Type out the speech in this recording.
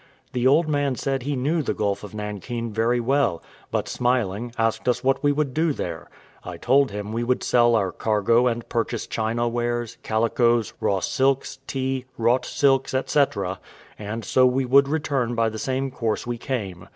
The old man said he knew the Gulf of Nankin very well; but smiling, asked us what we would do there? I told him we would sell our cargo and purchase China wares, calicoes, raw silks, tea, wrought silks, &c. and so we would return by the same course we came.